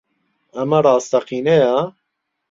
ئەمە ڕاستەقینەیە؟